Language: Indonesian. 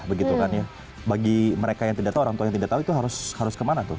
bagi mereka yang tidak tahu orang tua yang tidak tahu itu harus kemana tuh